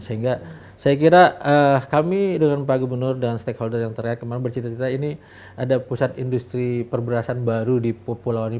sehingga saya kira kami dengan pak gubernur dan stakeholder yang terakhir kemarin bercita cita ini ada pusat industri perberasan baru di pulau ini